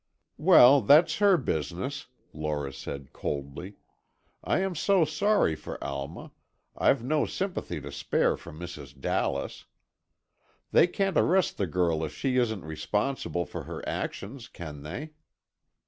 "Well, that's her business," Lora said, coldly. "I am so sorry for Alma, I've no sympathy to spare for Mrs. Dallas. They can't arrest the girl if she isn't responsible for her actions, can they?"